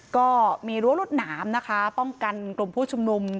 ก็มีรั้วรวดหนามนะคะป้องกันกลุ่มผู้ชุมนุม